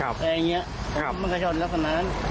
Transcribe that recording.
แบบนี้มันกระจ่อนแล้วขนาดนั้น